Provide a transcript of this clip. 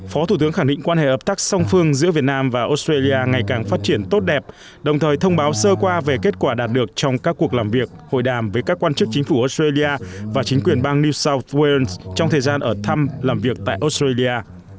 phó thủ tướng khẳng định quan hệ hợp tác song phương giữa việt nam và australia ngày càng phát triển tốt đẹp đồng thời thông báo sơ qua về kết quả đạt được trong các cuộc làm việc hội đàm với các quan chức chính phủ australia và chính quyền bang new south wales trong thời gian ở thăm làm việc tại australia